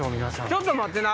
ちょっと待ってな。